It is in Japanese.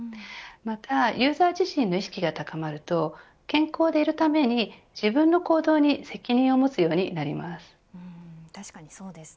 またユーザー自身の意識が高まると健康でいるために自分の行動に責任を持つようになります。